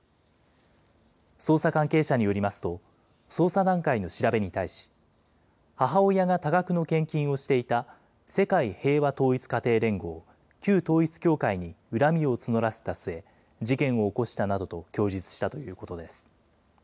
捜査関係者によりますと、捜査段階の調べに対し、母親が多額の献金をしていた世界平和統一家庭連合、旧統一教会に恨みを募らせた末、事件を起こしたなどと供述したということです。